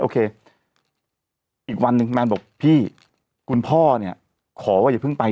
โอเคอีกวันหนึ่งคุณแมนบอกพี่คุณพ่อเนี่ยขอว่าอย่าเพิ่งไป